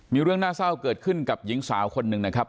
มีเรื่องน่าเศร้าเกิดขึ้นกับหญิงสาวคนหนึ่งนะครับ